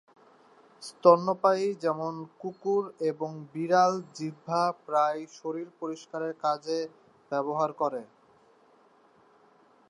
স্তন্যপায়ী যেমন কুকুর এবং বিড়াল, জিহ্বা প্রায়ই শরীর পরিষ্কারের কাজে ব্যবহার করে।